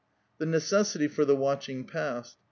The necessity for the watching passed.